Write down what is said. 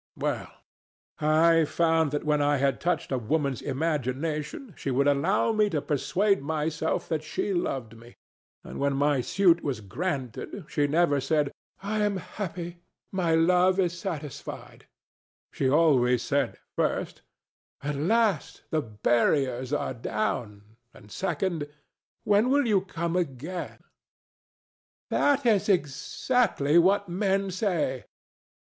Well, I found that when I had touched a woman's imagination, she would allow me to persuade myself that she loved me; but when my suit was granted she never said "I am happy: my love is satisfied": she always said, first, "At last, the barriers are down," and second, "When will you come again?" ANA. That is exactly what men say.